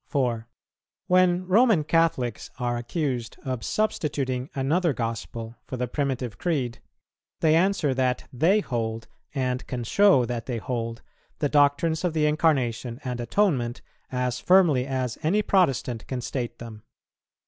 When Roman Catholics are accused of substituting another Gospel for the primitive Creed, they answer that they hold, and can show that they hold, the doctrines of the Incarnation and Atonement, as firmly as any Protestant can state them.